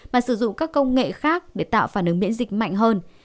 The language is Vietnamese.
mà sử dụng các công nghệ khác để tạo phản ứng miễn dịch mạnh hơn